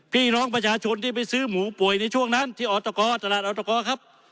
พี่น้องประชาชนที่ไปซื้อหมูป่วยในช่วงนั้นที่ออตกตลาดออตกครับ